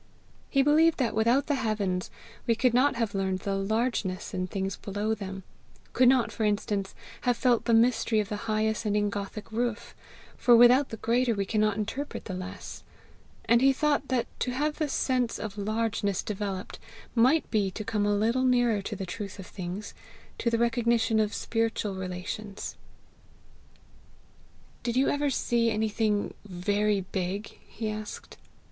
He believed that without the heavens we could not have learned the largeness in things below them, could not, for instance, have felt the mystery of the high ascending gothic roof for without the greater we cannot interpret the less; and he thought that to have the sense of largeness developed might be to come a little nearer to the truth of things, to the recognition of spiritual relations. "Did you ever see anything very big?" he asked.